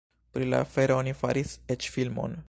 Pri la afero oni faris eĉ filmon.